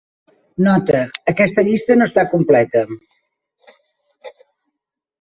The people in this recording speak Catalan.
Nota: aquesta llista no està completa.